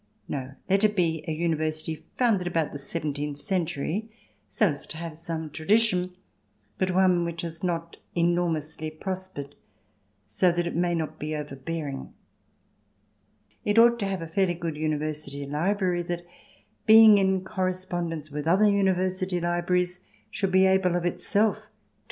No; let it be a University founded about the seventeenth century, so as to have some tradition, but one which has not enormously prospered, so that it may not be over bearing. It ought to have a fairly good University library that, being in correspondence with other University libraries, should be able of itself to * This refers to the town alluded to in the previous chapter as H (J.